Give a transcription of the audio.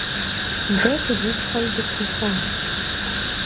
De bgışhem dıdeç'aş.